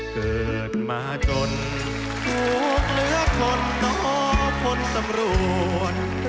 เกิดมาจนถูกเหลือคนต่อพลตำรวจ